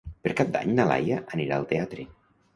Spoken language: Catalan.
Per Cap d'Any na Laia anirà al teatre.